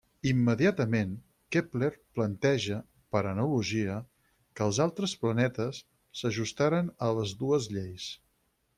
Immediatament, Kepler planteja, per analogia, que els altres planetes s'ajustaran a les dues lleis.